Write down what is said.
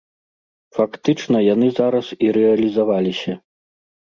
Фактычна яны зараз і рэалізаваліся.